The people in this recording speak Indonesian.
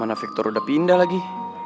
mana victor udah pindah lagi